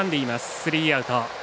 スリーアウト。